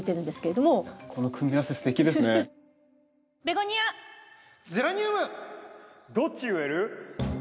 どっち植える？